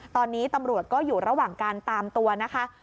ตอนนี้ตำรวจก็อยู่ระหว่างการตามตัวนะคะ